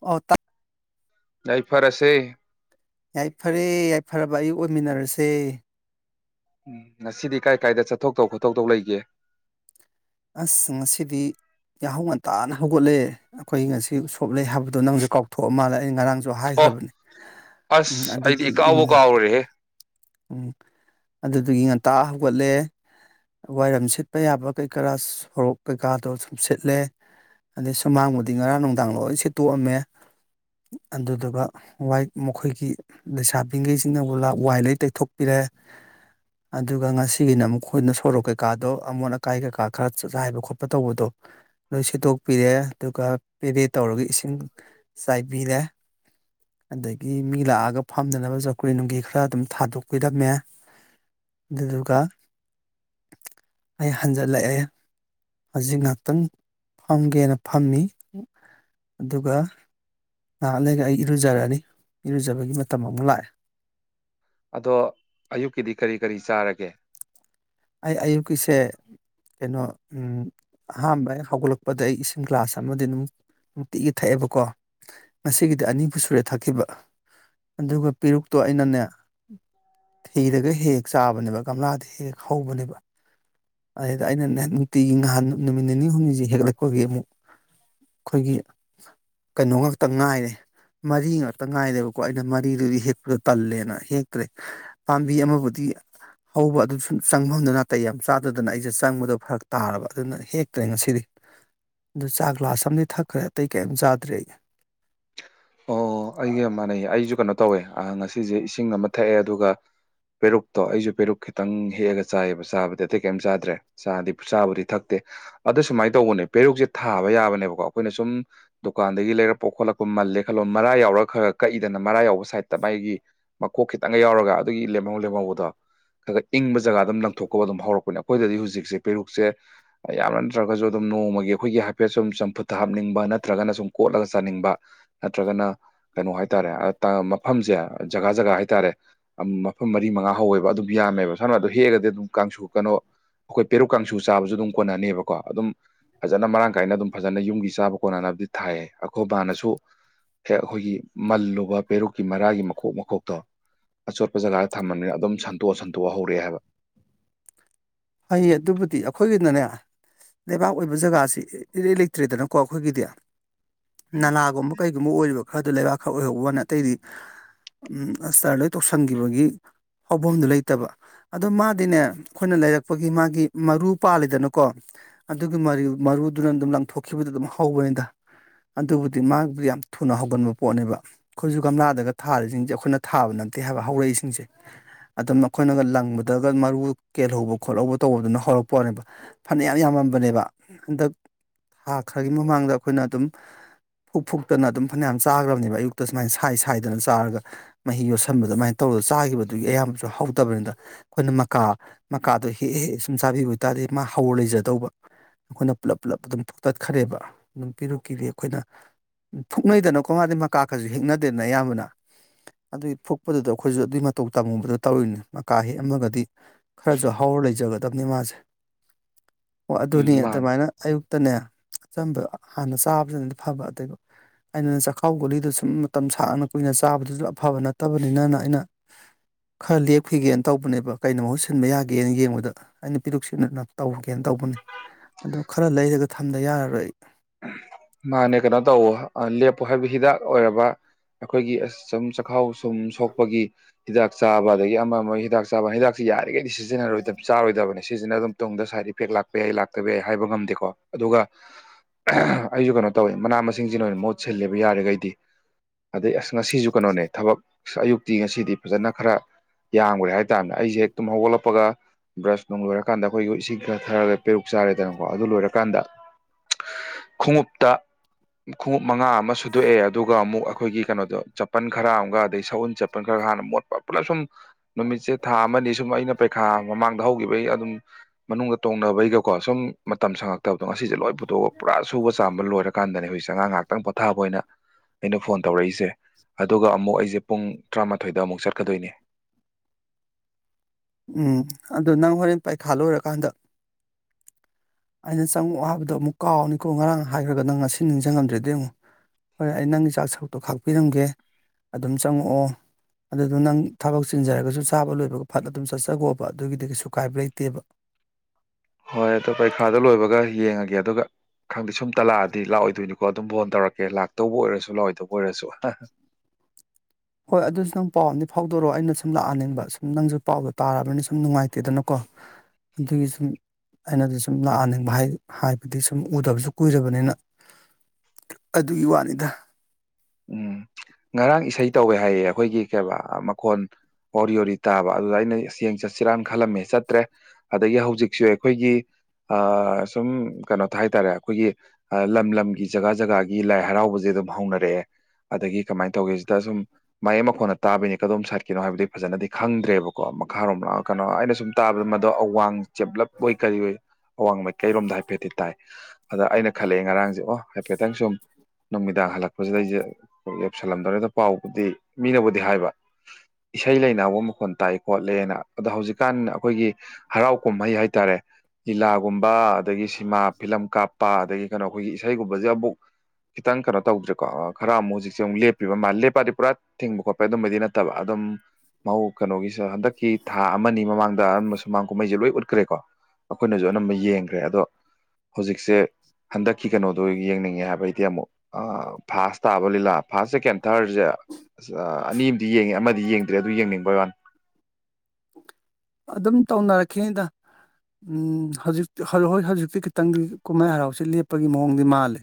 ꯑꯣ ꯇ ꯌꯥꯏ ꯐꯔꯁꯦ ꯌꯥꯏꯐꯔꯦ ꯌꯥꯏꯐꯔꯕ ꯑꯌꯨꯛ ꯑꯣꯏꯃꯤꯟꯅꯔꯁꯦ ꯎꯝ ꯉꯁꯤꯗꯤ ꯀꯥꯏ ꯀꯥꯏꯗ ꯆꯠꯊꯣꯛꯇꯧ ꯈꯣꯠꯇꯣꯛꯇꯧ ꯂꯩꯒꯦ ꯑꯁ ꯉꯁꯤꯗꯤ ꯌꯥꯍꯧ ꯉꯟꯇꯥꯅ ꯍꯧꯒꯠꯂꯛꯑꯦ ꯑꯩꯈꯣꯏ ꯉꯁꯤ ꯎꯁꯣꯞ ꯂꯩ ꯍꯥꯏꯕꯗꯣ ꯅꯪꯁꯨ ꯀꯥꯎꯊꯣꯛꯑꯃꯥꯜꯂꯦ ꯑꯩꯅ ꯉꯔꯥꯡ ꯑꯣ ꯍꯥꯏꯈ꯭ꯔꯕꯅꯦ ꯑꯁ ꯎꯝ ꯑꯗꯨ ꯑꯩꯗꯤ ꯎꯝ ꯏꯀꯥꯎꯕ ꯀꯥꯎꯔꯦꯍꯦ ꯎꯝ ꯑꯗꯨꯗꯨꯒꯤ ꯉꯟꯇꯥ ꯍꯧꯒꯠꯂꯦ ꯋꯥꯏꯔꯝ ꯁꯤꯠꯄ ꯌꯥꯕ ꯀꯩ ꯈꯔ ꯁꯣꯔꯣꯛ ꯀꯩꯀꯥꯗꯣ ꯁꯨꯝ ꯁꯤꯠꯂꯦ ꯑꯗꯩ ꯁꯨꯃꯥꯡꯕꯨꯗꯤ ꯉꯔꯥꯡ ꯅꯨꯡꯗꯥꯡ ꯂꯣꯏ ꯁꯤꯠꯇꯣꯛꯑꯝꯃꯦ ꯑꯗꯨꯗꯨꯒ ꯋꯥꯏ ꯃꯈꯣꯏꯒꯤ ꯂꯩꯁꯥꯕꯤꯈꯩꯁꯤꯡꯅꯕꯨ ꯋꯥꯏ ꯂꯣꯏ ꯇꯩꯊꯣꯛꯄꯤꯔꯦ ꯑꯗꯨꯒ ꯉꯁꯤꯒꯤꯅ ꯃꯈꯣꯏꯅ ꯁꯣꯔꯣꯛ ꯀꯩꯀꯥꯗꯣ ꯑꯃꯣꯠ ꯑꯀꯥꯏ ꯀꯩꯀꯥ ꯈꯔ ꯆꯥꯎꯕ ꯈꯣꯠꯄ ꯇꯧꯕꯗꯣ ꯂꯣꯏ ꯁꯤꯠꯇꯣꯛꯄꯤꯔꯦ ꯑꯗꯨꯒ ꯄꯦꯔꯦ ꯇꯧꯔꯒ ꯏꯁꯤꯡ ꯆꯥꯏꯕꯤꯔꯦ ꯑꯗꯒꯤ ꯃꯤ ꯂꯥꯛꯑꯒ ꯐꯝꯅꯅꯕ ꯆꯧꯀ꯭ꯔꯤ ꯅꯨꯡꯒꯤ ꯈꯔ ꯑꯗꯨꯝ ꯊꯥꯗꯣꯛꯄꯤꯔꯝꯃꯦ ꯑꯗꯨꯗꯨꯒ ꯑꯩ ꯍꯟꯖꯜꯂꯛꯑꯦ ꯍꯧꯖꯤꯛ ꯉꯍꯥꯛꯇꯪ ꯐꯝꯒꯦꯅ ꯐꯝꯃꯤ ꯑꯗꯨꯒ ꯅꯍꯥꯟ ꯂꯩꯒ ꯑꯩ ꯏꯔꯨꯖꯔꯅꯤ ꯏꯔꯨꯖꯕꯒꯤ ꯃꯇꯝ ꯑꯃ ꯂꯥꯛꯑꯦ ꯑꯗꯣ ꯑꯌꯨꯛꯀꯤꯗꯤ ꯀꯔꯤ ꯀꯔꯤ ꯆꯥꯔꯒꯦ ꯑꯩ ꯑꯌꯨ ꯀꯁꯦ ꯀꯩꯅꯣ ꯑꯍꯥꯟꯕ ꯑꯩ ꯍꯧꯒꯠꯂꯛꯄꯗ ꯑꯩ ꯏꯁꯤꯡ ꯒ꯭ꯂꯥꯁ ꯑꯃꯗꯤ ꯑꯗꯨꯝ ꯅꯨꯡꯇꯤꯛꯒ ꯊꯛꯑꯦꯕꯀꯣ ꯉꯁꯤꯒꯤꯗꯤ ꯑꯅꯤꯕꯨ ꯁꯨꯔꯦ ꯊꯛꯈꯤꯕ ꯑꯗꯨꯒ ꯄꯦꯔꯨꯛꯇꯣ ꯑꯩꯅꯅꯦ ꯊꯤꯔꯒ ꯍꯦꯛ ꯍꯦꯛ ꯆꯥꯕꯅꯦꯕ ꯒꯝꯂꯥꯗ ꯍꯦꯛ ꯍꯦꯛ ꯍꯧꯕꯅꯦꯕ ꯑꯗꯨꯗꯗ ꯑꯩꯅ ꯅꯨꯡꯇꯤꯒꯤ ꯅꯍꯥꯟ ꯅꯨꯃꯤꯠ ꯅꯤꯅꯤ ꯍꯨꯝꯅꯤꯁꯦ ꯍꯦꯛꯂꯛꯄꯒꯤ ꯑꯃꯨꯛ ꯑꯩꯈꯣꯏꯒꯤ ꯀꯩꯅꯣ ꯉꯥꯛꯇ ꯉꯥꯏꯔꯦ ꯃꯔꯤ ꯉꯥꯛꯇ ꯉꯥꯏꯔꯦꯕꯀꯣ ꯑꯩꯅ ꯃꯔꯤꯗꯨꯗꯤ ꯍꯦꯛꯄꯗ ꯇꯜꯂꯦꯅ ꯍꯦꯛꯇ꯭ꯔꯦ ꯄꯥꯝꯕꯤ ꯑꯃꯕꯨꯗꯤ ꯍꯧꯕ ꯑꯗꯨꯁꯨ ꯆꯪꯐꯝꯗ ꯅꯥꯇꯩ ꯌꯥꯝ ꯆꯥꯗꯗꯅ ꯑꯩꯁꯦ ꯆꯪꯕꯗꯣ ꯐꯔꯛ ꯇꯥꯔꯕ ꯑꯗꯨꯅ ꯍꯦꯛꯇ꯭ꯔꯦ ꯉꯁꯤꯗꯤ ꯑꯗꯨ ꯆꯥ ꯒ꯭ꯂꯥꯁ ꯑ ꯊꯛꯈ꯭ꯔꯦ ꯑꯇꯩ ꯀꯔꯤꯝ ꯆꯥꯗ꯭ꯔꯦ ꯑꯩ ꯑꯣ ꯑꯩꯒ ꯃꯥꯟꯅꯩ ꯑꯩꯁꯨ ꯀꯩꯅꯣ ꯇꯧꯋꯦ ꯉꯁꯤꯁꯦ ꯏꯁꯤꯡ ꯑꯃ ꯊꯛꯑꯦ ꯑꯗꯨꯒ ꯄꯦꯔꯨꯛꯇꯣ ꯑꯩꯁꯨ ꯄꯦꯔꯨꯛ ꯈꯤꯇꯪ ꯍꯦꯛꯑꯒ ꯆꯥꯏꯑꯕ ꯆꯥꯕꯗꯤ ꯑꯇꯩ ꯀꯩꯝ ꯆꯥꯗ꯭ꯔꯦ ꯆꯗꯤ ꯆꯥꯕꯨꯗꯤ ꯊꯛꯇꯦ ꯑꯗ ꯁꯨꯃꯥꯏꯅ ꯇꯧꯕꯅꯦ ꯄꯦꯔꯨꯛꯁꯦ ꯊꯥꯕ ꯌꯥꯕꯅꯤ ꯕꯀꯣ ꯑꯩꯈꯣꯏꯅ ꯁꯨꯝ ꯗꯨꯀꯥꯟꯗꯒꯤ ꯂꯩꯔꯛꯄ ꯈꯣꯠꯂꯛꯄ ꯃꯜꯂꯦ ꯈꯜꯂꯣ ꯃꯔꯥ ꯌꯥꯎꯔ ꯈꯔ ꯀꯛꯏꯗꯅ ꯃꯔꯥ ꯌꯥꯎꯕ ꯁꯥꯏꯠꯇ ꯃꯥꯒꯤ ꯃꯀꯣꯛ ꯈꯤꯇꯪꯒ ꯌꯥꯎꯔꯒ ꯑꯗꯨꯒꯤ ꯂꯦꯝꯍꯧ ꯂꯦꯝꯍꯧꯕꯗꯣ ꯈ ꯈ ꯏꯪꯕ ꯖꯒꯥ ꯑꯗꯨꯝ ꯂꯪꯊꯣꯛꯄꯕ ꯑꯗꯨꯝ ꯍꯧꯔꯛꯄꯅꯦ ꯑꯩꯈꯣꯏꯗꯗꯤ ꯍꯧꯖꯤꯛꯁꯦ ꯄꯦꯔꯨꯛꯁꯦ ꯌꯥꯝꯅ ꯅꯠꯇ꯭ꯔꯒꯁꯨ ꯑꯗꯨꯝ ꯅꯣꯡꯃꯒꯤ ꯑꯩꯈꯣꯏꯒꯤ ꯍꯥꯏꯐꯦꯠꯁꯨ ꯑꯗꯨꯝ ꯆꯝꯐꯨꯠ ꯍꯥꯞꯅꯤꯡꯕ ꯅꯠꯇ꯭ꯔꯒꯅ ꯁꯨꯝ ꯀꯣꯠꯂꯒ ꯆꯥꯅꯤꯡꯕ ꯅꯠꯇ꯭ꯔꯒꯅ ꯀꯩꯅꯣ ꯍꯥꯏꯇꯥꯔꯦ ꯃꯐꯝꯁꯦ ꯖꯒꯥ ꯖꯒꯥ ꯍꯥꯏꯇꯥꯔꯦ ꯃꯐꯝ ꯃꯔꯤ ꯃꯉꯥ ꯍꯧꯋꯦꯕ ꯑꯗꯨꯝ ꯌꯥꯝꯃꯦꯕ ꯁꯝꯅꯗꯣ ꯍꯦꯛꯔꯒꯗꯤ ꯑꯗꯨꯝ ꯀꯥꯡꯁꯨꯣꯛꯀꯅꯣ ꯑꯩꯈꯣꯏ ꯄꯦꯔꯨꯛ ꯀꯥꯡꯁꯨ ꯆꯥꯕꯁꯨ ꯑꯗꯨꯝ ꯀꯣꯟꯅꯅꯦꯕꯀꯣ ꯑꯗꯨꯝ ꯐꯖꯅ ꯃꯔꯥꯡ ꯀꯥꯏꯅ ꯑꯗꯨꯝ ꯐꯖꯅ ꯌꯨꯝꯒꯤ ꯆꯥꯕ ꯀꯣꯟꯅꯅꯕꯗꯤ ꯊꯥꯏꯌꯦ ꯑꯩꯈꯣꯏ ꯕꯥꯅꯁꯨ ꯍꯦꯛ ꯑꯩꯈꯣꯏꯒꯤ ꯃꯜꯂꯨꯕ ꯄꯦꯔꯨꯛꯀꯤ ꯃꯔꯥꯒꯤ ꯃꯈꯣꯛ ꯃꯈꯣꯛꯇꯣ ꯑꯆꯣꯠꯄ ꯖꯒꯥꯗ ꯊꯝꯃꯅꯤꯅ ꯑꯗꯨꯝ ꯁꯟꯇꯣꯛ ꯁꯟ ꯇ ꯍꯧꯔꯦ ꯍꯥꯏꯕ ꯍꯩꯌꯦ ꯑꯗꯨꯕꯨꯗꯤ ꯑꯩꯈꯣꯏꯒꯤꯅꯅꯦ ꯂꯩꯕꯥꯛ ꯑꯣꯏꯕ ꯖꯒꯥꯁꯤ ꯏꯔꯩ ꯂꯩꯇ꯭ꯔꯦꯗꯅꯀꯣ ꯑꯩꯈꯣꯏꯒꯤꯗꯤ ꯅꯂꯥꯒꯨꯝꯕ ꯀꯩꯒꯨꯝꯕ ꯑꯣꯏꯔꯤꯕ ꯈꯔꯗ ꯂꯩꯕꯥꯛ ꯈꯔ ꯑꯣꯏꯍꯧꯕ ꯋꯥ ꯑꯇꯩꯗꯤ ꯎꯝ ꯑꯁ ꯁꯥꯔ ꯂꯣꯏ ꯇꯧꯁꯟꯈꯤꯕꯒꯤ ꯍꯧꯐꯝꯗꯨ ꯂꯩꯇꯕ ꯑꯣ ꯃꯥꯗꯤꯅꯦ ꯑꯩꯈꯣꯏꯅ ꯂꯩꯔꯛꯄ ꯄꯄꯒꯤ ꯃꯥꯒꯤ ꯃꯔꯨ ꯄꯥꯜꯂꯤꯗꯅꯀꯣ ꯑꯗꯨꯒꯤ ꯃꯔꯨꯗꯨꯅ ꯑꯗꯨꯝ ꯂꯪꯊꯣꯛꯈꯤꯕꯗ ꯑꯗꯨꯝ ꯍꯧꯕꯅꯤꯗ ꯑꯗꯨꯕꯨꯗꯤ ꯃꯥ ꯌꯥꯝ ꯊꯨꯅ ꯍꯧꯒꯟꯕ ꯄꯣꯠꯅꯦꯕ ꯑꯩꯈꯣꯏꯁꯨ ꯒꯝꯂꯥꯗꯒ ꯊꯥꯔꯤꯁꯤꯡꯁꯦ ꯑꯩꯈꯣꯏꯅ ꯊꯥꯕ ꯅꯝꯠꯇꯦ ꯍꯥꯏꯕ ꯍꯧꯔꯛꯏꯁꯤꯡꯁꯦ ꯑꯗꯨꯝ ꯑꯩꯈꯣꯏꯅꯒ ꯂꯪꯕꯗꯒ ꯃꯔꯨ ꯀꯦꯜꯍꯧꯕ ꯈꯣꯠꯍꯧꯕ ꯇꯧꯕꯗꯨꯅ ꯍꯧꯔꯛꯄꯅꯦꯕ ꯐꯅ ꯌꯥꯝ ꯌꯥꯝꯃꯝꯕꯅꯦꯕ ꯍꯟꯗꯛ ꯍꯥ ꯈꯔꯒꯤ ꯃꯃꯥꯡꯗ ꯑꯩꯈꯣꯏꯅ ꯑꯗꯨꯝ ꯎꯛ ꯐꯨꯛꯇꯅ ꯑꯗꯨꯝ ꯐꯅꯌꯥꯝ ꯆꯥꯈ꯭ꯔꯕꯅꯦꯕ ꯑꯌꯨꯛꯇ ꯁꯨꯃꯥꯏꯅ ꯁꯥꯏ ꯁꯥꯏꯗꯅ ꯆꯥꯔꯒ ꯃꯍꯤ ꯌꯣꯠꯁꯟꯕꯗ ꯑꯗꯨꯃꯥꯏꯅ ꯇꯧꯔꯒ ꯆꯥꯈꯤꯕꯗꯨꯒꯤ ꯑꯌꯥꯝꯕꯁꯨ ꯍꯧꯗꯕꯅꯤꯅ ꯑꯩꯈꯣꯏꯅ ꯃꯀꯥ ꯀꯥꯗꯣ ꯍꯦ ꯍꯦ ꯁꯨꯝ ꯆꯥꯕꯤꯕ ꯑꯣꯏꯇꯥꯔꯗꯤ ꯃꯥ ꯍꯧꯔ ꯂꯩꯖꯗꯧꯕ ꯑꯩꯈꯣꯏꯅ ꯄꯨꯂꯞ ꯄꯨꯂꯞ ꯑꯗꯨꯝ ꯐꯛꯇꯠꯈ꯭ꯔꯦꯕ ꯑꯗꯨꯝ ꯄꯤꯔꯨ ꯄꯤꯔ ꯑꯩꯈꯣꯏꯅ ꯐꯨꯛꯅꯩꯗꯅꯀꯣ ꯃꯥꯗꯩ ꯃꯀꯥ ꯈꯁꯨ ꯍꯤꯡꯅꯗꯦꯗꯅ ꯑꯌꯥꯝꯕꯅ ꯑꯗꯨꯏ ꯐꯨꯛꯄꯗꯨꯗ ꯑꯩꯈꯣꯏꯁꯨ ꯑꯗꯨꯏ ꯃꯇꯧ ꯇꯝꯃꯨꯕꯗ ꯇꯧꯔꯤꯅꯤ ꯃꯀꯥ ꯍꯦꯛꯑꯝꯃꯒꯗꯤ ꯈꯔꯁꯨ ꯍꯥꯎꯔ ꯂꯩꯖꯒꯗꯕꯅꯤ ꯃꯥꯁꯦ ꯑꯣ ꯎꯝ ꯑꯗꯨꯅꯤ ꯃꯥꯅꯦ ꯑꯗꯨꯃꯥꯏꯅ ꯑꯌꯨꯛꯇꯅꯦ ꯑꯆꯝꯕ ꯍꯥꯟꯅ ꯆꯥꯕꯁꯤꯅꯗꯤ ꯐꯕ ꯑꯗꯨꯩ ꯑꯩꯅ ꯆꯥꯛꯈꯥꯎ ꯒꯨꯂꯤꯗꯨ ꯁꯨꯝ ꯃꯇꯝ ꯁꯥꯡꯅ ꯀꯨꯏꯅ ꯆꯥꯕꯗꯨꯁꯨ ꯑꯐꯕ ꯅꯠꯇꯕꯅꯤꯅꯅ ꯑꯩꯅ ꯈꯔ ꯂꯦꯛꯈꯤꯒꯦꯅ ꯇꯧꯕꯅꯦꯕ ꯀꯩꯅꯣꯁꯦ ꯁꯤꯟꯕ ꯌꯥꯒꯦꯅ ꯌꯦꯡꯕꯗ ꯑꯩꯅ ꯄꯤꯔꯨꯛ ꯁꯤꯅ ꯇꯧꯒꯦꯅ ꯇꯧꯕꯅꯤ ꯑꯗꯨꯝ ꯈꯔ ꯂꯩꯔꯒ ꯊꯝꯗ ꯌꯥꯔꯔꯣꯏ ꯃꯥꯅꯦ ꯀꯩꯅꯣ ꯇꯧ ꯂꯦꯞꯄꯨ ꯍꯥꯏꯕ ꯍꯤꯗꯥꯛ ꯑꯣꯏꯔꯕ ꯑꯩꯈꯣꯏꯒꯤ ꯑ ꯁꯨꯝ ꯆꯈꯥꯎ ꯁꯨꯝ ꯁꯣꯛꯄꯒꯤ ꯍꯤꯗꯥꯛ ꯆꯥꯕ ꯑꯗꯒꯤ ꯑꯃ ꯑꯃꯒꯤ ꯍꯤꯗꯥꯛ ꯆꯥꯕ ꯍꯤꯗꯥꯛꯁꯤ ꯌꯥꯔꯤꯈꯩꯗꯤ ꯁꯤꯖꯤꯟꯅꯔꯣꯏꯗ ꯆꯥꯔꯣꯏꯗꯕꯅꯤ ꯁꯤꯖꯤꯟꯅ ꯑꯗꯨꯝ ꯇꯨꯡꯗ ꯁꯥꯏꯠ ꯏꯐꯦꯛ ꯂꯥꯛꯄ ꯌꯥꯏ ꯂꯥꯛꯇꯕ ꯌꯥꯏ ꯍꯥꯏꯕ ꯉꯝꯗꯦꯀꯣ ꯑꯗꯨꯒ ꯑꯩꯁꯨ ꯀꯩꯅꯣ ꯇꯧꯋꯦ ꯃꯅꯥ ꯃꯁꯤꯡꯁꯤꯅ ꯑꯣꯏꯅ ꯃꯍꯨꯠ ꯁꯤꯜꯂꯦꯕ ꯌꯥꯔꯈꯩꯗꯤ ꯑꯗꯩ ꯑꯁ ꯉꯁꯤꯁꯨ ꯀꯩꯅꯣꯅꯦ ꯊꯕꯛ ꯑꯌꯨꯛꯇꯤ ꯉꯁꯤꯗꯤ ꯐꯖꯅ ꯈꯔ ꯌꯥꯈ꯭ꯔꯦ ꯍꯥꯏꯇꯥꯔꯗ ꯑꯩꯁꯦ ꯍꯦꯛꯛꯇꯨꯝ ꯍꯧꯒꯠꯂꯛꯄꯒ ꯕ꯭ꯔꯁ ꯅꯨꯡ ꯂꯣꯏꯔꯀꯥꯟꯗ ꯑꯩꯈꯣꯏꯒꯤ ꯏꯁꯤꯡ ꯈꯔ ꯊꯔꯒ ꯄꯦꯔꯨꯛ ꯆꯥꯔꯦꯗꯅꯀꯣ ꯑꯗꯨ ꯂꯣꯏꯔꯀꯥꯟꯗ ꯈꯣꯡꯎꯞꯇ ꯈꯣꯡꯎꯞ ꯃꯉꯥ ꯑꯃ ꯁꯨꯗꯣꯛꯑꯦ ꯑꯗꯨꯒ ꯑꯃꯨꯛ ꯑꯩꯈꯣꯏꯒꯤ ꯀꯩꯅꯣꯗꯣ ꯆꯄꯟ ꯈꯔ ꯑꯃꯒ ꯑꯗꯩ ꯁꯎꯟ ꯆꯠꯄꯟ ꯈꯔꯒ ꯍꯥꯟꯅ ꯃꯣꯠꯄ ꯄꯨꯂꯞ ꯁꯨꯝ ꯅꯨꯃꯤꯠꯁꯦ ꯊꯥ ꯑꯃꯅꯤ ꯁꯨꯝ ꯑꯩꯅ ꯄꯔꯤꯈꯥ ꯃꯃꯥꯡꯗ ꯍꯧꯈꯤꯕ ꯑꯩ ꯑꯗꯨꯝ ꯃꯅꯨꯡꯗ ꯇꯣꯡꯅꯕꯩꯒꯀꯣ ꯁꯨꯝ ꯃꯇꯝ ꯁꯪꯉꯛꯇꯕꯗꯣ ꯉꯁꯤꯁꯦ ꯂꯣꯏ ꯄꯨꯣꯇꯣꯛꯑꯒ ꯄꯨꯔꯥ ꯁꯨꯕ ꯆꯥꯝꯕ ꯂꯣꯏꯔꯀꯥꯟꯗꯅꯦ ꯍꯧꯖꯤꯛꯦ ꯑꯉꯥꯡ ꯉꯍꯥꯛꯇꯪ ꯄꯣꯊꯥꯕ ꯑꯣꯏꯅ ꯑꯩꯅ ꯐꯣꯟ ꯇꯧꯔꯛꯏꯁꯦ ꯑꯗꯨꯒ ꯑꯃꯨꯛ ꯑꯩꯁꯦ ꯄꯨꯡ ꯇꯔꯥꯃꯥꯊꯣꯏꯗ ꯑꯃꯨꯛ ꯆꯠꯀꯗꯣꯏꯅꯦ ꯎꯝ ꯑꯗꯨꯗ ꯅꯪ ꯍꯣꯔꯦꯟ ꯄꯩꯈꯥ ꯂꯣꯏꯔꯀꯥꯟꯗ ꯑꯩꯅ ꯆꯪꯉꯛꯑꯣ ꯍꯥꯏꯕꯗꯣ ꯑꯃꯨꯛ ꯀꯥꯎꯅꯤꯀꯣ ꯉꯔꯥꯡ ꯍꯥꯏꯈ꯭ꯔꯒ ꯅꯪ ꯉꯁꯤ ꯅꯤꯡꯁꯤꯡꯉꯝꯗ꯭ꯔꯦꯗꯤ ꯑꯃꯨꯛ ꯍꯣꯏ ꯑꯩ ꯅꯪꯒꯤ ꯆꯥꯛ ꯁꯔꯨꯛꯇꯣ ꯈꯥꯛꯄꯤꯔꯝꯒꯦ ꯑꯗꯨꯝ ꯆꯪꯉꯛꯑꯣ ꯑꯗꯨꯗꯨꯣ ꯅꯪ ꯊꯕꯛ ꯆꯤꯟꯖꯔꯒꯁꯨ ꯁꯥꯕ ꯂꯣꯏꯕꯒ ꯐꯠꯂ ꯑꯗꯨꯝ ꯆꯠꯆꯈꯣꯕ ꯑꯗꯨꯒꯤꯗꯤ ꯀꯩꯁꯨ ꯀꯥꯏꯕ ꯂꯩꯇꯦꯕ ꯍꯣꯏ ꯑꯣ ꯄꯔꯤꯈꯥꯗꯣ ꯂꯣꯏꯕꯒ ꯌꯦꯡꯉꯒꯦ ꯑꯗꯨꯒ ꯈꯪꯗꯦ ꯁꯨꯝ ꯇꯂꯥꯛꯑꯗꯤ ꯂꯥꯛꯑꯣꯏꯗꯣꯏꯅꯤꯀꯣ ꯑꯗꯨꯝ ꯚꯣꯟ ꯇꯧꯔꯛꯀꯦ ꯂꯥꯛꯇꯧꯕꯕꯨ ꯑꯣꯏꯔꯁꯨ ꯂꯥꯛꯑꯣꯏꯗꯧꯕꯕꯨ ꯑꯣꯏꯔꯁꯨ ꯍꯣꯏ ꯑꯗꯨꯁꯨ ꯅꯪ ꯄꯥꯎ ꯑ ꯐꯥꯎꯗꯣꯔꯑꯣ ꯑꯩꯅ ꯁꯨꯝ ꯂꯥꯛꯑꯅꯤꯡꯕ ꯁꯨꯝ ꯅꯪꯁꯨ ꯄꯥꯎꯗꯣ ꯇꯥꯔꯕꯅꯤꯅ ꯁꯨꯝ ꯅꯨꯡꯉꯥꯏꯇꯦꯗꯅꯀꯣ ꯑꯗꯨꯒꯤ ꯁꯨꯝ ꯑꯩꯅꯗꯤ ꯁꯨꯝ ꯂꯥꯛꯍꯟꯅꯤꯡꯕ ꯍꯥꯏ ꯍꯥꯏꯕꯗꯤ ꯁꯨꯝ ꯎꯗꯕꯁꯨ ꯀꯨꯏꯔꯕꯅꯤꯅ ꯑꯗꯨꯒꯤ ꯋꯥꯅꯤꯗ ꯎꯝ ꯉꯔꯥꯡ ꯏꯁꯩ ꯇꯧꯋꯦ ꯍꯥꯏꯌꯦ ꯑꯩꯈꯣꯏꯒꯤ ꯀꯩꯕ ꯃꯈꯣꯟ ꯑꯣꯔꯤꯌꯣꯔꯤ ꯇꯥꯕ ꯑꯗꯨꯗ ꯑꯩꯅ ꯌꯦꯡ ꯆꯠꯁꯤꯔꯥꯅ ꯈꯜꯂꯝꯃꯦ ꯆꯠꯇ꯭ꯔꯦ ꯑꯗꯒꯤ ꯍꯧꯖꯤꯛꯁꯨ ꯑꯩꯈꯣꯏꯒꯤ ꯑ ꯁꯨꯝ ꯀꯩꯅꯣ ꯇ ꯍꯥꯏꯇꯥꯔꯦ ꯑꯩꯈꯣꯏꯒꯤ ꯂꯝ ꯂꯝꯒꯤ ꯖꯒꯥ ꯖꯒꯥꯒꯤ ꯂꯥꯏ ꯍꯔꯥꯎꯕꯁꯦ ꯑꯗꯨꯝ ꯍꯧꯅꯔꯛꯑꯦ ꯑꯗꯒꯤ ꯀꯃꯥꯏꯅ ꯇꯧꯒꯦꯁꯤꯗ ꯁꯨꯝ ꯃꯥꯏ ꯃꯈꯣꯟꯅ ꯇꯥꯕꯅꯤ ꯀꯗꯣꯝ ꯁꯥꯏꯠꯀꯤꯅꯣ ꯍꯥꯏꯕꯗꯤ ꯐꯖꯅꯗꯤ ꯈꯪꯗ꯭ꯔꯦꯕꯀꯣ ꯃꯈꯥꯔꯣꯝ ꯀꯩꯅꯣ ꯑꯩꯅ ꯁꯨꯝ ꯇꯥꯕꯗ ꯃꯗꯣ ꯑꯋꯥꯡ ꯆꯦꯞꯂꯞ ꯑꯣꯏ ꯀꯔꯤ ꯑꯣꯏ ꯑꯋꯥꯡ ꯃꯥꯏꯀꯩꯔꯣꯝꯗ ꯍꯥꯏꯐꯦꯠꯇꯗꯤ ꯇꯥꯏ ꯑꯗ ꯑꯩꯅ ꯈꯜꯂꯛꯑꯦ ꯉꯔꯥꯡꯁꯦ ꯑꯣ ꯍꯥꯏꯐꯦꯠꯇꯪ ꯁꯨꯝ ꯅꯨꯃꯤꯗꯥꯡ ꯍꯜꯂꯛꯄꯁꯤꯗꯩꯁꯦ ꯌꯦꯞꯁꯜꯂꯝꯗꯔꯤꯅ ꯄꯥꯎꯕꯨꯗꯤ ꯃꯤꯅꯕꯨꯗꯤ ꯍꯥꯏꯕ ꯏꯁꯩ ꯂꯩꯅꯥꯕꯨ ꯃꯈꯣꯟ ꯇꯥꯏ ꯈꯣꯠꯂꯦꯅ ꯑꯗꯣ ꯍꯧꯖꯤꯛꯀꯥꯟ ꯑꯩꯈꯣꯏꯒꯤ ꯍꯔꯥꯎ ꯀꯨꯝꯍꯩ ꯍꯥꯏꯇꯥꯔꯦ ꯂꯤꯂꯥꯒꯨꯝꯕ ꯑꯗꯒꯤ ꯁꯤꯃꯥ ꯐꯤꯂꯝ ꯀꯥꯞꯄ ꯑꯗꯒꯤ ꯀꯩꯅꯣ ꯑꯩꯈꯣꯏꯒꯤ ꯏꯁꯩꯒꯨꯝꯕꯁꯦ ꯑꯃꯨꯛ ꯈꯤꯇꯪ ꯀꯩꯅꯣ ꯇꯧꯗ꯭ꯔꯤꯀꯣ ꯈꯔ ꯑꯃꯨꯛ ꯍꯧꯖꯤꯛꯁꯦ ꯑꯃꯨꯛ ꯂꯦꯞꯄꯤꯕ ꯃꯥ ꯂꯦꯞꯄꯗꯤ ꯄꯨꯔꯥ ꯊꯤꯡꯕ ꯈꯣꯠꯄ ꯑꯗꯨꯝꯕꯗꯤ ꯅꯠꯇꯕ ꯑꯗꯨꯝ ꯧ ꯀꯩꯅꯣꯒꯤꯁꯦ ꯍꯟꯗꯛꯀꯤ ꯊꯥ ꯑꯃꯅꯤ ꯃꯃꯥꯡꯗ ꯑ ꯁꯨꯃꯥꯡ ꯀꯨꯝꯍꯩꯁꯦ ꯂꯣꯏ ꯎꯠꯈ꯭ꯔꯦꯀꯣ ꯑꯩꯈꯣꯏꯅꯁꯨ ꯑꯅꯝꯕ ꯌꯦꯡꯈ꯭ꯔꯦ ꯑꯗꯣ ꯍꯧꯖꯤꯛꯁꯦ ꯍꯟꯗꯛꯀꯤ ꯀꯩꯅꯣꯗꯣ ꯌꯦꯡꯅꯤꯡꯉꯦ ꯍꯥꯏꯕꯒꯤꯗꯤ ꯑꯃꯨꯛ ꯐꯥꯁ ꯇꯥꯕ ꯂꯤꯂꯥ ꯐꯥꯔꯁ ꯁꯦꯀꯦꯟ ꯊꯥꯔꯠꯁꯦ ꯑꯁ ꯑꯅꯤ ꯑꯗꯤ ꯌꯦꯡꯉꯦ ꯑꯃꯗꯤ ꯌꯦꯡꯗ꯭ꯔꯦ ꯑꯗꯨ ꯌꯦꯡꯅꯤꯡꯕꯩ ꯋꯥꯟ ꯑꯗꯨꯝ ꯇꯧꯅꯔꯛꯈꯤꯗ ꯎꯝ ꯍꯧꯖꯤꯛꯇꯤ ꯍꯣꯏ ꯍꯧꯖꯤꯛꯇꯤ ꯈꯤꯇꯪꯗꯤ ꯀꯨꯝꯍꯥꯏ ꯍꯔꯥꯎꯁꯦ ꯂꯦꯞꯄꯒꯤ ꯃꯑꯣꯡꯗꯤ ꯃꯥꯂꯦ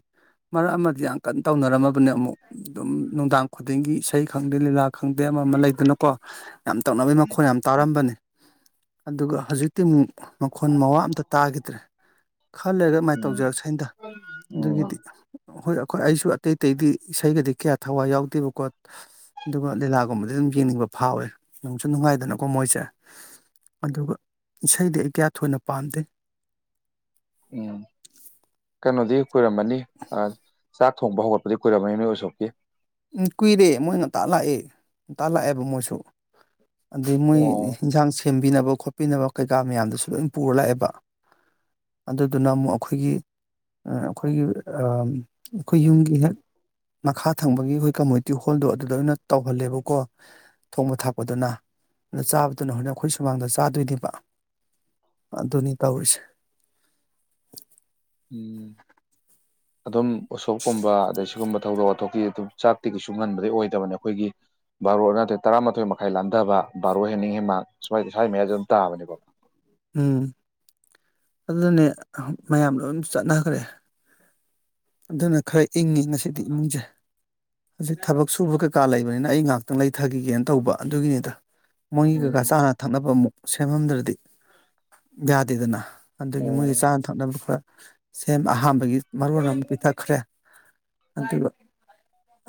ꯃꯔꯛ ꯑꯃꯗꯤ ꯌꯥꯝ ꯀꯟꯅ ꯇꯧꯅꯔꯝꯃꯕꯅꯦ ꯑꯃꯨꯛ ꯑꯗꯨꯝ ꯅꯨꯡꯗꯥꯡ ꯈꯨꯗꯤꯡꯒꯤ ꯏꯁꯩ ꯈꯪꯗꯦ ꯂꯤꯂꯥ ꯈꯪꯗꯦ ꯑꯃ ꯑꯃ ꯂꯩꯗꯅꯀꯣ ꯌꯥꯝ ꯇꯛꯅꯕꯩ ꯃꯈꯣꯟ ꯌꯥꯝ ꯇꯥꯔꯝꯕꯅꯤ ꯑꯗꯨꯒ ꯍꯧꯖꯤꯛ ꯇꯤꯃꯨꯛ ꯃꯈꯣꯟ ꯃꯋꯥ ꯑꯝꯇ ꯇꯥꯈꯤꯗ꯭ꯔꯦ ꯈꯜꯂꯒ ꯑꯗꯨꯃꯥꯏꯅ ꯎꯝ ꯇꯧꯖꯔꯁꯦ ꯑꯗ ꯎꯝ ꯑꯗꯨꯒꯤꯗꯤ ꯍꯣꯏ ꯑꯩꯈꯣꯏ ꯑꯩꯁꯨ ꯑꯇꯩ ꯑꯇꯩꯗꯤ ꯏꯁꯩꯒꯗꯤ ꯀꯌꯥ ꯊꯋꯥꯏ ꯌꯥꯎꯗꯦꯕꯀꯣ ꯑꯗꯨꯒ ꯂꯤꯂꯥꯒꯨꯝꯕꯗꯤ ꯑꯗꯨꯝ ꯌꯦꯡꯅꯤꯡꯕ ꯐꯥꯎꯋꯦ ꯅꯨꯡꯁꯨ ꯅꯨꯡꯉꯥꯏꯗꯅꯀꯣ ꯃꯣꯏꯁꯦ ꯑꯗꯨꯒ ꯏꯁꯩꯗꯤ ꯑꯩ ꯀꯌꯥ ꯊꯣꯏꯅ ꯄꯥꯝꯗꯦ ꯎꯝ ꯀꯩꯅꯣꯗꯤ ꯀꯨꯏꯔꯝꯃꯅꯤ ꯆꯥꯛ ꯊꯣꯡꯕ ꯍꯧꯒꯠꯄ ꯑꯗꯨꯩ ꯀꯏꯔꯔꯕꯃꯤ ꯅ ꯑꯣꯏ ꯁꯣꯛꯀꯦ ꯎꯝ ꯀꯨꯏꯔꯦ ꯃꯣꯏ ꯉ ꯇꯥ ꯂꯥꯛꯑꯦ ꯉ ꯇꯥ ꯂꯥꯛꯑꯦꯕ ꯃꯣꯏꯁꯨ ꯑꯗꯩ ꯃꯣꯏ ꯑꯣ ꯌꯦꯟꯁꯥꯡ ꯁꯦꯝꯕꯤꯅꯕ ꯈꯣꯠꯄꯤꯅꯕ ꯀꯩꯀꯥ ꯃꯌꯥꯝꯗꯨꯁꯨ ꯂꯣꯏ ꯄꯨꯔ ꯂꯥꯛꯑꯦꯕ ꯑꯗꯨꯗꯨꯅ ꯑꯃꯨꯛ ꯑꯩꯈꯣꯏꯒꯤ ꯑꯩꯈꯣꯏꯒꯤ ꯑꯩꯈꯣꯏ ꯌꯨꯝꯒꯤ ꯍꯦꯛ ꯃꯈꯥ ꯊꯪꯕꯒꯤ ꯑꯩꯈꯣꯏ ꯀꯝꯃꯨꯅꯤꯇꯤ ꯍꯣꯜꯗꯣ ꯑꯗꯨꯗ ꯑꯣꯏꯅ ꯇꯧꯍꯜꯂꯦꯕꯀꯣ ꯊꯣꯡꯕ ꯊꯥꯛꯄꯗꯨꯅ ꯑꯗꯨ ꯆꯥꯕꯗꯨꯅ ꯍꯣꯔꯛ ꯑꯩꯈꯣꯏ ꯁꯨꯃꯥꯡꯗ ꯆꯥꯗꯣꯏꯅꯦꯕ ꯑꯗꯨꯅꯤ ꯇꯧꯔꯤꯁꯦ ꯎꯝ ꯑꯗꯨꯝ ꯎꯁꯣꯞꯀꯨꯝꯕ ꯑꯗꯩ ꯁꯤꯒꯨꯝꯕ ꯊꯧꯗꯣꯛ ꯋꯥꯊꯣꯛꯀꯤ ꯑꯗꯨꯝ ꯆꯥꯛꯇꯤ ꯀꯩꯁꯨ ꯉꯟꯕꯗꯤꯩ ꯑꯣꯏꯗꯕꯅꯦ ꯑꯩꯈꯣꯏꯒꯤ ꯕꯥꯔꯣ ꯑꯃ ꯅꯠꯇ꯭ꯔꯦ ꯇꯔꯥꯃꯥꯊꯣꯏ ꯃꯈꯥꯏ ꯂꯥꯟꯊꯕ ꯕꯥꯔꯣ ꯍꯦꯟꯅꯤꯡ ꯍꯦꯟ ꯃꯥ ꯁꯨꯋꯥ ꯁ꯭ꯋꯥꯏ ꯃꯌꯥꯗ ꯑꯗꯨꯝ ꯇꯥꯕꯅꯤꯀꯣ ꯎꯝ ꯑꯗꯨꯅꯦ ꯃꯌꯥꯝ ꯂꯣꯏ ꯆꯠꯅꯈ꯭ꯔꯦ ꯑꯗꯨꯅ ꯈꯔ ꯏꯪꯉꯤ ꯉꯁꯤꯗꯤ ꯏꯃꯨꯡꯁꯦ ꯍꯧꯖꯤꯛ ꯊꯕꯛ ꯁꯨꯕ ꯀꯩꯀꯥ ꯂꯩꯕꯅꯤꯅ ꯑꯩ ꯉꯍꯥꯛꯇꯪ ꯂꯩꯊꯈꯤꯒꯦꯅ ꯇꯧꯕ ꯑꯗꯨꯒꯤꯅꯤꯗ ꯃꯣꯏꯒꯤ ꯀꯀꯥ ꯎꯝ ꯆꯥꯅ ꯊꯛꯅꯕ ꯑꯃꯨꯛ ꯁꯦꯝꯃꯝꯗ꯭ꯔꯗꯤ ꯌꯥꯗꯦꯗꯅ ꯑꯗꯒꯤ ꯑꯣ ꯃꯣꯏꯒꯤ ꯆꯥꯅ ꯊꯛꯅꯕ ꯈꯔ ꯁꯦꯝ ꯑꯍꯥꯥꯟꯕꯒꯤ ꯃꯔꯣ ꯑꯃ ꯄꯤꯊꯛꯈ꯭ꯔꯦ ꯑꯗꯨꯒ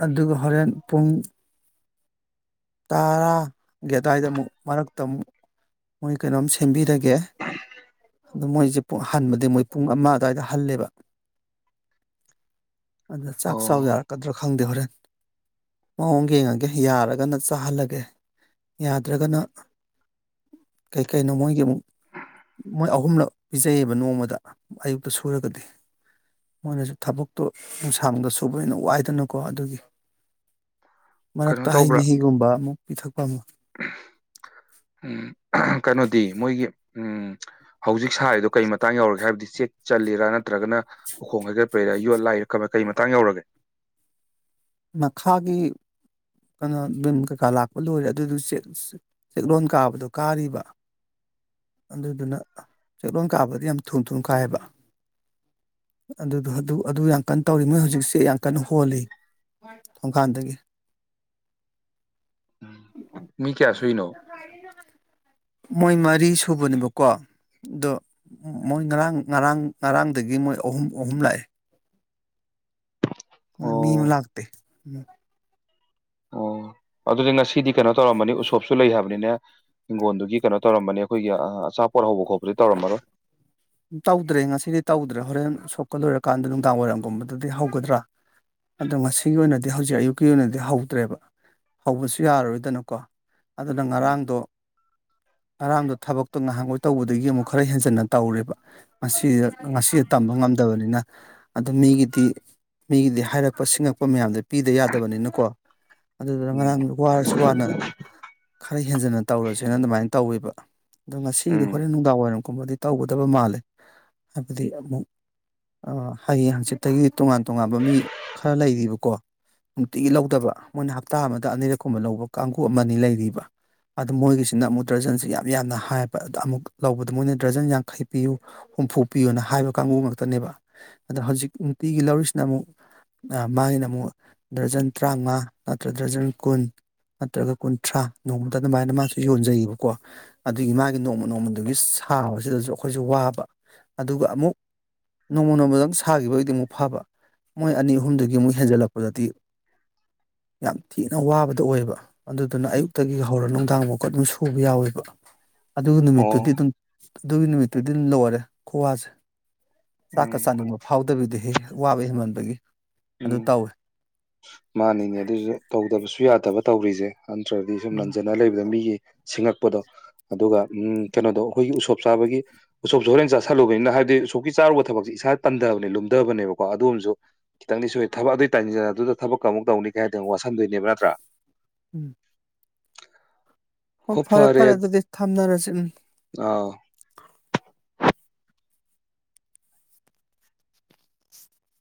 ꯑꯗꯨꯒ ꯍꯣꯔꯦꯟ ꯄꯨꯡ ꯇꯔꯥꯒꯤ ꯑꯗꯨꯋꯥꯏꯗꯃꯨꯛ ꯃꯔꯛꯇ ꯑꯃꯨꯛ ꯃꯣꯏ ꯀꯩꯅꯣꯝ ꯁꯦꯝꯕꯤꯔꯒꯦ ꯑꯣ ꯃꯣꯏꯁꯦ ꯨꯡ ꯍꯥꯟꯕꯗꯤ ꯃꯣꯏ ꯄꯨꯡ ꯑꯃ ꯑꯗꯨꯋꯥꯏꯗ ꯍꯜꯂꯦꯕ ꯑꯗ ꯆꯥꯛ ꯆꯥꯎ ꯑꯣ ꯌꯥꯔꯛꯀꯗ꯭ꯔꯣ ꯈꯪꯗꯦ ꯍꯣꯔꯦꯟ ꯃꯑꯣꯡ ꯌꯦꯡꯉꯒꯦ ꯌꯥꯔꯒꯅ ꯆꯥꯍꯜꯂꯒꯦ ꯌꯥꯗ꯭ꯔꯒꯅ ꯀꯩꯀꯩꯅꯣ ꯃꯣꯏꯒꯤ ꯑꯃꯨꯛ ꯃꯣꯏ ꯑꯍꯨꯝꯂꯛ ꯄꯤꯖꯩꯌꯦꯕ ꯅꯣꯡꯃꯗ ꯑꯌꯨꯛꯇ ꯁꯨꯔꯒꯗꯤ ꯃꯣꯏꯅꯁꯨ ꯊꯕꯛꯇꯣ ꯅꯨꯡꯁꯥꯡꯕꯗ ꯁꯨꯕꯅ ꯋꯥꯏꯗꯅꯀꯣ ꯑꯗꯨꯒꯤ ꯀꯩꯅꯣ ꯃꯔꯛꯇ ꯍꯩ ꯇꯧꯕ꯭ꯔꯥ ꯃꯍꯤꯒꯨꯝꯕ ꯑꯃꯨꯛ ꯄꯤꯊꯛꯄ ꯑꯃ ꯎꯝ ꯀꯩꯅꯣꯗꯤ ꯃꯣꯏꯒꯤ ꯎꯝ ꯍꯧꯖꯤꯛ ꯁꯥꯔꯤꯗꯣ ꯀꯔꯤ ꯃꯇꯥꯡ ꯌꯧꯔꯒꯦ ꯍꯥꯏꯕꯗꯤ ꯆꯦꯛ ꯆꯔꯥ ꯅꯠꯇ꯭ꯔꯒꯅ ꯎꯈꯣꯡ ꯍꯩꯒꯠꯄꯩꯔ ꯌꯣꯠ ꯂꯥꯏꯔꯛ ꯀ ꯀꯩ ꯃꯇꯥꯡ ꯌꯧꯔꯒꯦ ꯃꯈꯥꯒꯤ ꯀꯩꯅꯣ ꯚꯝ ꯀꯩꯀꯥ ꯂꯥꯛꯄ ꯂꯣꯏꯔꯦ ꯑꯗꯨꯗꯨ ꯆꯦꯛꯂꯣꯟ ꯀꯥꯕꯗꯣ ꯀꯥꯔꯤꯕ ꯑꯗꯨꯗꯨꯅ ꯆꯦꯛꯂꯣꯟ ꯀꯥꯕꯗ ꯌꯥꯝ ꯊꯨꯝ ꯊꯨꯝ ꯀꯥꯏꯌꯦꯕ ꯑꯗꯨꯗ ꯑꯗꯨ ꯌꯥꯝ ꯀꯟꯅ ꯇꯧꯔꯤ ꯃꯣꯏ ꯍꯧꯖꯤꯛꯁꯦ ꯌꯥꯝ ꯀꯟꯅ ꯍꯣꯜꯂꯤ ꯑꯣꯣꯡꯀꯥꯟꯗꯒꯤ ꯑꯣ ꯃꯤ ꯀꯌꯥ ꯁꯨꯏꯅꯣ ꯃꯣꯏ ꯃꯔꯤ ꯁꯨꯕꯅꯦꯕꯀꯣ ꯑꯗꯣ ꯃꯣꯏ ꯉꯔꯥꯡ ꯉꯔꯥꯡ ꯉꯔꯥꯡꯗꯒꯤ ꯃꯣꯏ ꯑꯍꯨꯝ ꯑꯍꯨꯝ ꯂꯥꯛꯑꯦ ꯃꯤ ꯑꯣ ꯂꯥꯛꯇ ꯎꯝ ꯑꯣ ꯑꯗꯨꯗꯤ ꯉꯁꯤꯗꯤ ꯀꯩꯅꯣ ꯇꯧꯔꯝꯕꯅꯤ ꯎꯁꯣꯞꯁꯨ ꯂꯩ ꯍꯥꯏꯕꯅꯤꯅ ꯍꯤꯡꯒꯣꯜꯗꯨꯒꯤ ꯀꯩꯅꯣ ꯇꯧꯔꯝꯕꯅꯤ ꯑꯩꯈꯣꯏꯒꯤ ꯑꯆꯥꯄꯣꯠ ꯍꯧꯕ ꯈꯣꯠꯄꯗꯤ ꯇꯧꯔꯝꯃꯔꯣꯏ ꯇꯧꯗ꯭ꯔꯦ ꯉꯁꯤꯗꯤ ꯇꯧꯗ꯭ꯔꯦ ꯍꯣꯔꯦꯟ ꯁꯣꯛꯀꯜ ꯂꯣꯏꯔꯀꯥꯟꯗ ꯅꯨꯡꯗꯥꯡ ꯋꯥꯏꯔꯝꯒꯨꯝꯕꯗꯗꯤ ꯍꯧꯒꯗ꯭ꯔꯥ ꯑꯗꯣ ꯉꯁꯤꯒꯤ ꯑꯣꯏꯅꯗꯤ ꯍꯧꯖꯤꯛ ꯑꯌꯨꯛꯀꯤ ꯑꯣꯏꯅꯗꯤ ꯍꯧꯗ꯭ꯔꯦꯕ ꯍꯧꯕꯁꯨ ꯌꯥꯔꯔꯣꯏꯗꯅꯀꯣ ꯑꯗꯨꯅ ꯉꯔꯥꯡꯗꯣ ꯑꯔꯥꯝꯗꯣ ꯊꯕꯛꯇꯣ ꯉꯍꯥꯟꯒꯣꯏ ꯇꯧꯕꯗꯒꯤ ꯑꯃꯨꯛ ꯈꯔ ꯍꯦꯟꯖꯟꯅ ꯇꯧꯔꯦꯕ ꯃꯁꯤꯗ ꯉꯁꯤꯗ ꯇꯝꯕ ꯉꯝꯗꯕꯅꯤꯅ ꯑꯗꯨ ꯃꯤꯒꯤꯗꯤ ꯃꯤꯒꯤꯗꯤ ꯍꯥꯏꯔꯛꯄ ꯁꯤꯡꯉꯛꯄ ꯃꯌꯥꯝꯗꯣ ꯄꯤꯗ ꯌꯥꯗꯕꯅꯤꯅꯀꯣ ꯑꯗꯨꯗꯨꯅ ꯎꯝ ꯉꯔꯥꯡꯒꯤꯗꯣ ꯋꯥꯔꯁꯨ ꯋꯥꯅ ꯈꯔ ꯍꯦꯟꯖꯟꯅ ꯇꯧꯔꯁꯦꯅ ꯑꯗꯨꯃꯥꯏꯅ ꯇꯧꯋꯦꯕ ꯑꯗꯣ ꯉꯁꯤꯗꯤ ꯎꯝ ꯍꯣꯔꯦꯟ ꯅꯨꯡꯗꯥꯡ ꯋꯥꯏꯔꯝꯒꯨꯝꯕꯗꯤ ꯇꯧꯒꯗꯕ ꯃꯥꯜꯂꯦ ꯍꯥꯏꯕꯗꯤ ꯑꯃꯨꯛ ꯑꯥ ꯍꯌꯦꯡ ꯍꯥꯡꯆꯤꯠꯇꯒꯤ ꯇꯣꯉꯥꯟ ꯇꯣꯉꯥꯟꯕ ꯃꯤ ꯈꯔ ꯂꯩꯔꯤꯕꯀꯣ ꯅꯨꯡꯇꯤꯒꯤ ꯂꯧꯗꯕ ꯃꯣꯏꯅ ꯍꯞꯇꯥ ꯑꯃꯗ ꯑꯅꯤꯔꯛꯀꯨꯝꯕ ꯂꯧꯕ ꯀꯥꯡꯒ ꯑꯃꯅꯤ ꯂꯩꯔꯤꯕ ꯑꯗꯨ ꯃꯣꯏꯒꯤꯁꯤꯅ ꯑꯃꯨꯛ ꯇꯔꯖꯟꯁꯦ ꯌꯥꯝ ꯌꯥꯝꯅ ꯍꯥꯏꯑꯕ ꯑꯗ ꯑꯃꯨꯛ [unintelligible] ꯂꯧꯕꯗ ꯃꯣꯏꯅ ꯗ꯭ꯔꯖꯟ ꯌꯥꯡꯈꯩ ꯄꯤꯌꯨ ꯍꯨꯝꯐꯣꯛꯄꯤꯌꯣꯅ ꯍꯥꯏꯕ ꯀꯥꯡꯕꯨ ꯉꯥꯛꯇꯅꯦꯕ ꯑꯗꯣ ꯍꯧꯖꯤꯛ ꯅꯨꯡꯇꯤꯒꯤ ꯂꯧꯔꯤꯁꯤꯅ ꯑꯃꯨꯛ ꯅ ꯃꯥꯒꯤꯅ ꯑꯃꯨꯛ ꯗꯔꯖꯟ ꯇꯔꯥꯃꯉꯥ ꯅꯠꯇ꯭ꯔ ꯗꯔꯖꯟ ꯀꯨꯟ ꯅꯠꯇ꯭ꯔꯒ ꯀꯨꯟꯊ꯭ꯔꯥ ꯅꯣꯡꯃꯗ ꯑꯗꯨꯃꯥꯏꯅ ꯃꯥꯁꯨ ꯌꯣꯟꯖꯩꯌꯦꯕꯀꯣ ꯑꯗꯨꯒꯤ ꯃꯥꯒꯤ ꯅꯣꯡꯃ ꯅꯣꯡꯃꯗꯨꯒꯤ ꯁꯥꯕꯁꯤꯗꯁꯨ ꯑꯩꯈꯣꯏꯁꯨ ꯋꯥ ꯕ ꯑꯗꯨꯒ ꯑꯃꯨꯛ ꯅꯣꯡꯃ ꯅꯣꯡꯃꯗ ꯑꯗꯨꯝ ꯁꯥꯈꯤꯕ ꯑꯣꯏꯗꯤ ꯑꯃꯨꯛ ꯐꯕ ꯃꯣꯏ ꯑꯅꯤ ꯑꯍꯨꯝꯗꯨꯒꯤ ꯃꯨꯛ ꯍꯦꯟꯖꯜꯂꯛꯄꯗꯗꯤ ꯌꯥꯝ ꯊꯤꯅ ꯋꯥꯕꯗꯣ ꯑꯣꯏꯌꯦꯕ ꯑꯗꯨꯗꯨꯅ ꯑꯌꯨꯛꯇꯒꯤ ꯍꯧꯔ ꯅꯨꯡꯗꯥꯡ ꯕꯥꯎꯀ ꯑꯗꯨꯝ ꯁꯨ ꯎꯕ ꯌꯥꯎꯋꯦꯕ ꯑꯗꯨ ꯑꯣ ꯅꯨꯃꯤꯠꯇꯨꯗꯤ ꯑꯗꯨꯝ ꯑꯗꯨꯒꯤ ꯅꯨꯃꯤꯠꯇꯨꯗꯤ ꯑꯗꯨꯝ ꯂꯣꯏꯔ ꯈꯨꯠꯋꯁꯦ ꯆꯥꯛꯀ ꯎꯝ ꯆꯥꯅꯤꯡꯕ ꯐꯧ ꯐꯥꯎꯗꯕꯤꯗꯨꯍꯦ ꯋꯥꯕ ꯍꯦꯟꯃꯟꯕꯒꯤ ꯑꯗꯨ ꯎꯝ ꯇꯧꯋꯦ ꯃꯥꯅꯤꯅꯦ ꯑꯗꯨꯁꯨ ꯇꯧꯗꯕꯁꯨ ꯌꯥꯗꯕ ꯇꯧꯔꯤꯁꯦ ꯅꯠꯇ꯭ꯔꯗꯤ ꯁꯨꯝ ꯎꯝ ꯅꯟꯖꯟꯂ ꯂꯩꯕꯗ ꯃꯤꯒꯤ ꯁꯤꯡꯉꯛꯄꯗꯣ ꯑꯗꯨꯒ ꯎꯝ ꯀꯩꯅꯣꯗꯣ ꯑꯩꯈꯣꯏꯒꯤ ꯎꯁꯣꯞ ꯆꯥꯕꯒꯤ ꯎꯁꯣꯞꯁꯨ ꯍꯣꯔꯦꯟ ꯆꯥꯥꯁꯜꯂꯨꯕꯅꯤꯅ ꯍꯥꯏꯕꯗꯤ ꯎꯁꯣꯞꯀꯤ ꯆꯥꯔꯨꯕ ꯊꯕꯛꯁꯤ ꯏꯁꯥ ꯇꯟꯗꯕꯅꯦ ꯂꯨꯝꯗꯕꯅꯦꯕꯀꯣ ꯑꯗꯨ ꯑꯣꯏꯔꯁꯨ ꯈꯤꯇꯪꯗꯤ ꯁꯨꯏ ꯊꯕꯛ ꯑꯗꯨꯏ ꯇꯟꯖꯕꯗꯨꯗ ꯊꯕꯛ ꯀ ꯑꯃꯨꯛ ꯇꯩꯅꯤ ꯍꯥꯏꯔꯗꯤ ꯑꯃꯨꯛ ꯋꯥꯁꯟꯗꯣꯏꯅꯦꯕ ꯅꯠꯇ꯭ꯔꯥ ꯎꯝ ꯑꯣ ꯐꯔꯦ ꯐꯔꯦ ꯑꯗꯨꯗꯤ ꯊꯝꯅꯔꯁꯦ ꯎꯝ ꯑꯥ